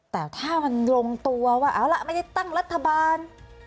แต่ถ้ามันลงตัวว่าเอาล่ะไม่ได้ตั้งรัฐบาล